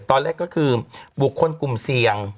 ตอนแรกก็คือบุคคลกลุ่มเสี่ยง